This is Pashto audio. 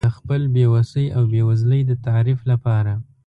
د خپل بې وسۍ او بېوزلۍ د تعریف لپاره.